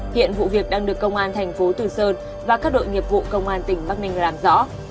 hiện vụ việc đang được công an thành phố từ sơn và các đội nghiệp vụ công an tỉnh bắc ninh làm rõ